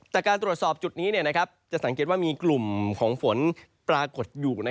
จากการตรวจสอบจุดนี้จะสังเกตว่ามีกลุ่มของฝนปรากฏอยู่